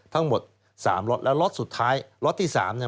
ทั้งหมดสามล็อตแล้วล็อตสุดท้ายล็อตที่สามเนี่ย